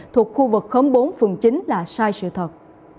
thuộc khu vực khóm bốn phường chín là sai sự thật